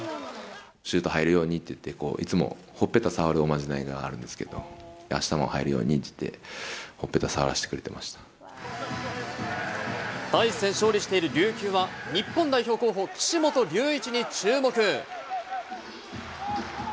シュート入るようにっていって、いつも、ほっぺた触るおまじないがあるんですけど、あしたも入るようにっていって、第１戦勝利している琉球は、日本代表候補、岸本りゅういちに注目。